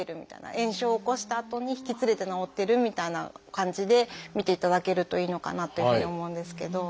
炎症を起こしたあとに引きつれて治ってるみたいな感じで見ていただけるといいのかなというふうに思うんですけど。